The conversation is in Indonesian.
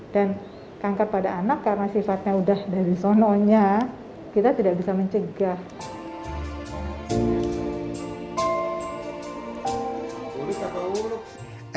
dan kanker pada anak karena sifatnya udah dari sononya kita tidak bisa mencegah